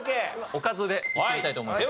おかずでいってみたいと思います。